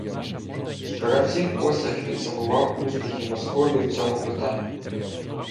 Карамзін ось як підсумував «успіхи» Московії в цьому питанні: